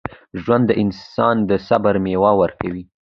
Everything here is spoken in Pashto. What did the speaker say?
ژوند د انسان د صبر میوه ورکوي.